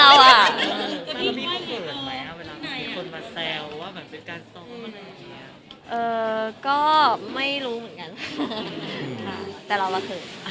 อันนี้อยู่ก็เผลิน